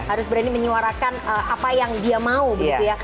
harus berani menyuarakan apa yang dia mau begitu ya